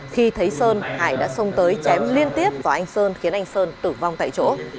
khi thấy sơn hải đã xông tới chém liên tiếp vào anh sơn khiến anh sơn tử vong tại chỗ